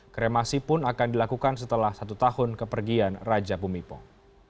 kremasi pun akan dilakukan setelah satu tahun kepergian raja bumi pong